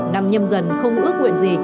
năm nhâm dần không ước nguyện gì